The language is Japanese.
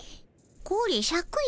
これシャクよ。